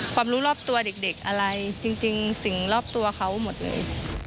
ความรู้รอบตัวเด็กอะไรจริงสิ่งรอบตัวเขาหมดเลย